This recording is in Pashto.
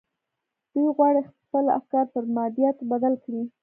دوی غواړي خپل افکار پر مادياتو بدل کړي.